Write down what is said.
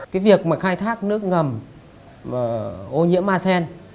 cái việc mà khai thác nước ngầm và ô nhiễm a sen